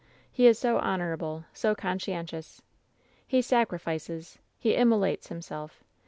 He is so honorable, so con scientious. He sacrifices — ^he immolates himself